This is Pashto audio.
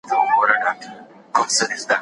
هغه سړی چې سپینې جامې یې اغوستي زما تره دی.